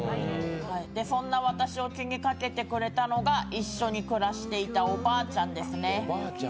そんな私を気に懸けてくれたのが一緒に暮らしていたおばあちゃんですね。